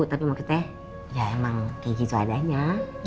tapi maksudnya ya emang kayak gitu adanya